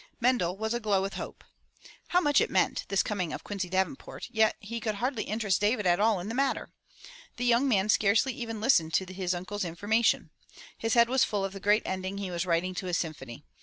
Mendel was aglow with hope. How much it meant — this coming of Quincy Davenport, yet he could hardly interest David at all in the matter. The young man scarcely even listened to his uncle's information. His head was full of the great ending he was writing to his symphony.